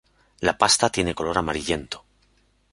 La pasta tiene color amarillento.